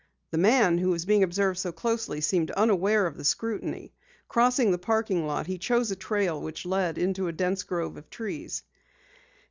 The man who was being observed so closely seemed unaware of the scrutiny. Crossing the parking lot, he chose a trail which led into a dense grove of trees.